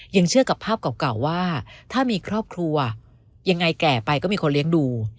ยังเชื่อกับภาพเก่าว่าถ้ามีครอบครัวยังไงแก่ไปก็มีคนเลี้ยงดู